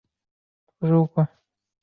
附加赛进球没有被计算在内。